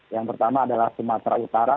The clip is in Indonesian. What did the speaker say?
yang pertama adalah sumatera utara